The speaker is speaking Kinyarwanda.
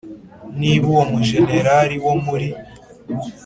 niba uwo mujenerali wo muri